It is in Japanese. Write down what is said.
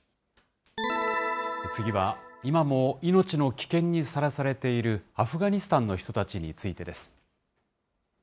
次は、今も命の危険にさらされているアフガニスタンの人たちについてです。